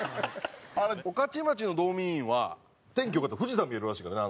御徒町のドーミーインは天気良かったら富士山見えるらしいからね。